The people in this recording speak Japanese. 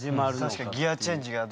確かにギアチェンジがどこで。